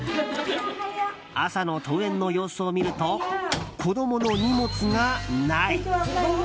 朝の登園の様子を見ると子供の荷物がない。